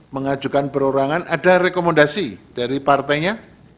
mengajukan perorangan ada rekomendasi dari partainya